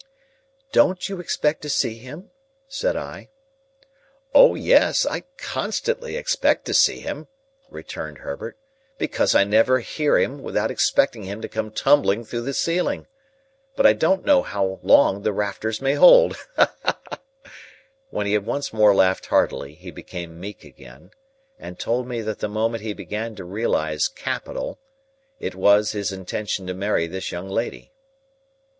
"Don't you expect to see him?" said I. "O yes, I constantly expect to see him," returned Herbert, "because I never hear him, without expecting him to come tumbling through the ceiling. But I don't know how long the rafters may hold." When he had once more laughed heartily, he became meek again, and told me that the moment he began to realise Capital, it was his intention to marry this young lady.